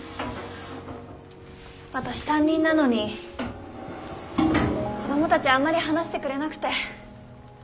私担任なのに子供たちあんまり話してくれなくて。